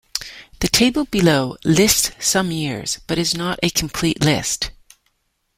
The table below lists some years, but is not a complete list.